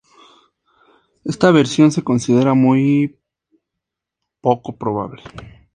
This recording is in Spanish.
Esta versión se considera muy poco probable.